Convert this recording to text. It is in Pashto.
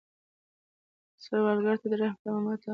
سوالګر ته د رحم تمه مه ماتوي